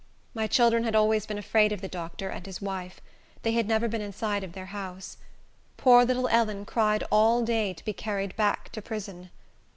My children had always been afraid of the doctor and his wife. They had never been inside of their house. Poor little Ellen cried all day to be carried back to prison.